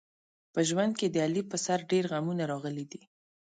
په ژوند کې د علي په سر ډېر غمونه راغلي دي.